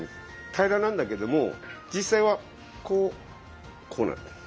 平らなんだけども実際はこうこうなってる。